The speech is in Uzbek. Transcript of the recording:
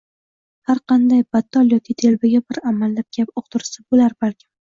Har qanday battol yoki telbaga bir amallab gap uqtirsa bo‘lar balkim.